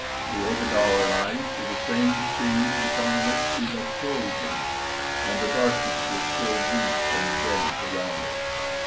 We opened our eyes to the same scenes upon which we had closed them, and the darkness was still deep and dense around us.